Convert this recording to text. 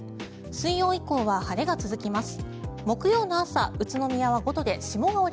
水曜以降は晴れが続きます。